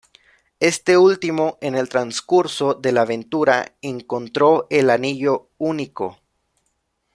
Este último, en el transcurso de la aventura, encontró el Anillo Único.